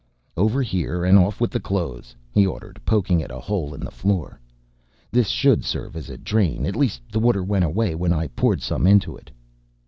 "Over here and off with the clothes," he ordered, poking at a hole in the floor. "This should serve as a drain, at least the water went away when I poured some into it."